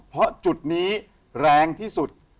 เพราะจุดนี้แรงที่สุด